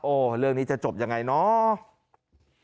โอ้เรื่องนี้จะจบอย่างไรเนอะ